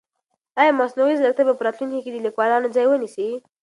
آیا مصنوعي ځیرکتیا به په راتلونکي کې د لیکوالانو ځای ونیسي؟